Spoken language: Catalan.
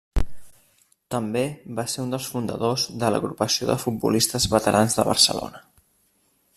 També va ser un dels fundadors de l'Agrupació de Futbolistes Veterans de Barcelona.